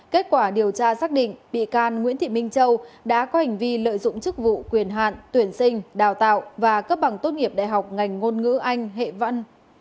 kết quả điều tra xác định bị can nguyễn thị minh châu đã có hành vi lợi dụng chức vụ quyền hạn tuyển sinh đào tạo và cấp bằng tốt nghiệp đại học ngành ngôn ngữ anh hệ văn